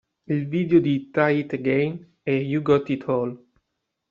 I video di "Try It Again" e "You Got It All...